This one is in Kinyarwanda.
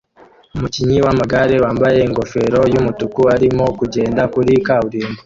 Umukinnyi wamagare wambaye ingofero yumutuku arimo kugenda kuri kaburimbo